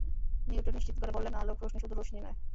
Newton নিশ্চিত করে বললেন, আলোক রশ্মি শুধু রশ্মি নয়।